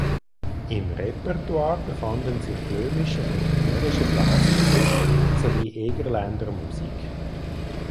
Im Repertoire befanden sich böhmische und mährische Blasmusik sowie Egerländer Musik.